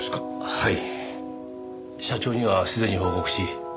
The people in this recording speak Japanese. はい。